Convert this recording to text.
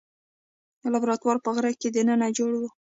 لابراتوار په غره کې دننه جوړ و.